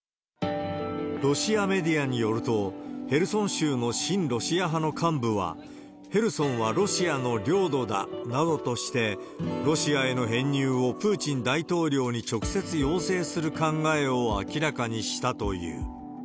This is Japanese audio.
ロシアメディアによると、ヘルソン州の親ロシア派の幹部は、ヘルソンはロシアの領土だなどとして、ロシアへの編入をプーチン大統領に直接要請する考えを明らかにしたという。